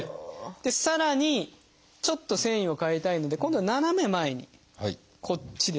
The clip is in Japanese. さらにちょっと線維を変えたいので今度は斜め前にこっちですね。